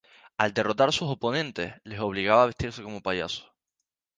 Al derrotar a sus oponentes, les obligaba a vestirse como payasos.